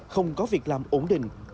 không có việc làm ổn định